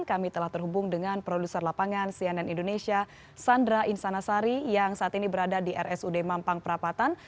kami telah terhubung dengan produser lapangan cnn indonesia sandra insanasari yang saat ini berada di rsud mampang perapatan